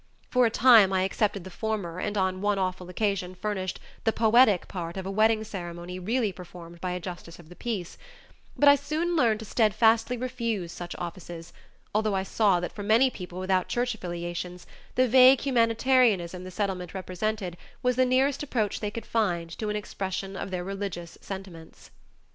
For a time I accepted the former and on one awful occasion furnished "the poetic part" of a wedding ceremony really performed by a justice of the peace, but I soon learned to steadfastly refuse such offices, although I saw that for many people without church affiliations the vague humanitarianism the Settlement represented was the nearest approach they could find to an expression of their religious sentiments.